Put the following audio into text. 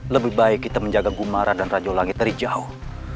lebih baik kita menjaga gumara dan raju langit dari jauh